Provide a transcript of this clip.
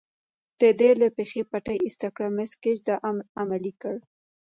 د ده له پښې پټۍ ایسته کړه، مس ګېج دا امر عملي کړ.